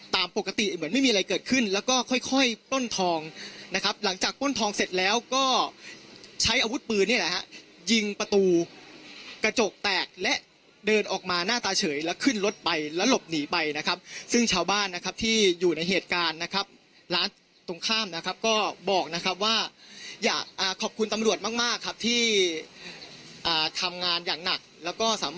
ตามปกติเหมือนไม่มีอะไรเกิดขึ้นแล้วก็ค่อยค่อยปล้นทองนะครับหลังจากปล้นทองเสร็จแล้วก็ใช้อาวุธปืนเนี่ยแหละฮะยิงประตูกระจกแตกและเดินออกมาหน้าตาเฉยแล้วขึ้นรถไปแล้วหลบหนีไปนะครับซึ่งชาวบ้านนะครับที่อยู่ในเหตุการณ์นะครับร้านตรงข้ามนะครับก็บอกนะครับว่าอยากขอบคุณตำรวจมากมากครับที่ทำงานอย่างหนักแล้วก็ส